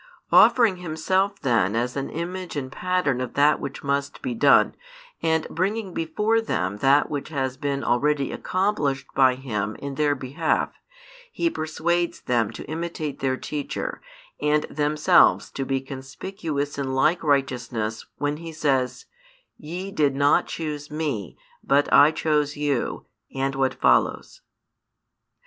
Offering Himself then as an Image and Pattern of that which must be done, and bringing before them that which has been already accomplished by Him in their behalf, He persuades them to imitate their Teacher and themselves to be conspicuous in like righteousness when He says: Ye did not choose Me, but I chose you, and what follows.